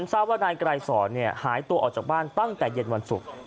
ทราบว่านายไกรสอนหายตัวออกจากบ้านตั้งแต่เย็นวันศุกร์